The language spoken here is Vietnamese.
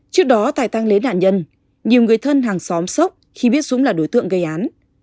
trước đó tài tăng lễ nạn nhân nhiều người thân hàng xóm sốc khi biết súng là đối tượng gây án